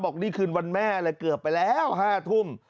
นี่คืนวันแม่เลยเกือบไปแล้ว๕ทุ่ม